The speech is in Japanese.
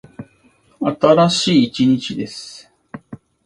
新しい一日です。